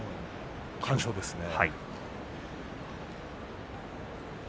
完勝ですね。